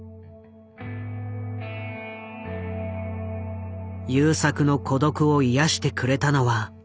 優作の孤独を癒やしてくれたのは映画。